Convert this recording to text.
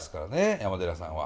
山寺さんは。